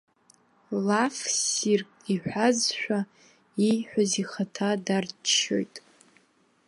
Лаф ссирк иҳәазшәа, ииҳәаз ихаҭа дарччоит.